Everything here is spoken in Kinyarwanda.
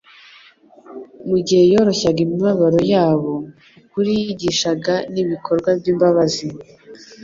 Mu gihe yoroshyaga imibabaro yabo, ukuri yigishaga n'ibikorwa by'imbabazi,